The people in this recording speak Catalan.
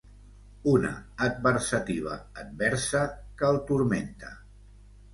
Una adversativa adversa que el turmenta.